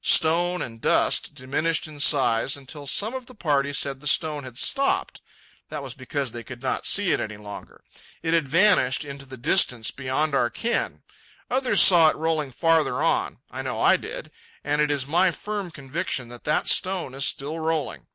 Stone and dust diminished in size, until some of the party said the stone had stopped. That was because they could not see it any longer. It had vanished into the distance beyond their ken. Others saw it rolling farther on—I know I did; and it is my firm conviction that that stone is still rolling.